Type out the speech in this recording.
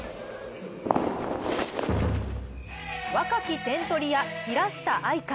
若き点取り屋、平下愛佳。